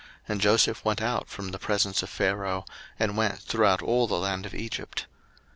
And Joseph went out from the presence of Pharaoh, and went throughout all the land of Egypt.